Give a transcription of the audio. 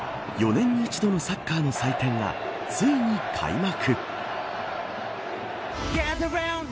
４年に一度のサッカーの祭典がついに開幕。